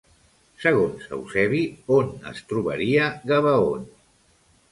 Segons Eusebi, on es trobaria Gabaon?